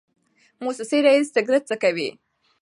موسسې رییس سګرټ څکوي.